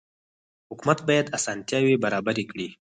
حکومت باید اسانتیاوې برابرې کړي.